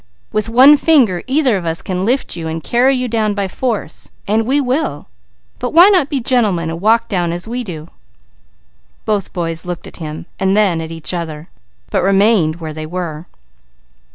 With one finger either of us can lift you out and carry you down by force; and we will, but why not be gentlemen and walk down as we do?" Both boys looked at him; then at each other, but remained where they were.